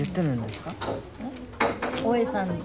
大江さんに。